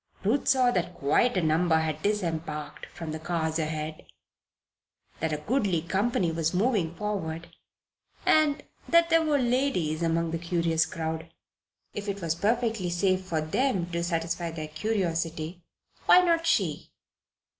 Ruth saw that quite a number had disembarked from the cars ahead, that a goodly company was moving forward, and that there were ladies among the curious crowd. If it was perfectly safe for them to satisfy their curiosity, why not she?